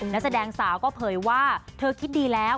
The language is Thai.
นักแสดงสาวก็เผยว่าเธอคิดดีแล้ว